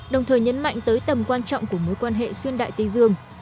đồng thời nhấn mạnh tới tầm quan trọng của mối quan hệ xuyên đại tây dương